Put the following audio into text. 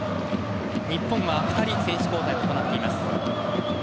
日本は２人選手交代を行っています。